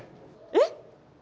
えっ？